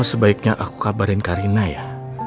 apa sebaiknya aku kabarin ke rina ya